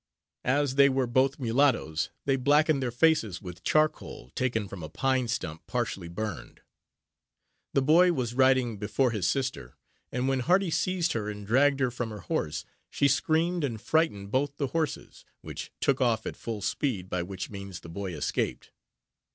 As they were both mulattos, they blacked their faces with charcoal, taken from a pine stump partially burned. The boy was riding before his sister, and when Hardy seized her and dragged her from her horse, she screamed and frightened both the horses, which took off at full speed, by which means the boy escaped.